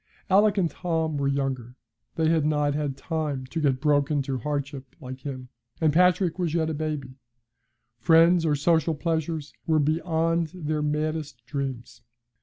Alick and Tom were younger. They had not had time to get broken to hardship like him, and Patrick was yet a baby. Friends or social pleasures were beyond their maddest dreams.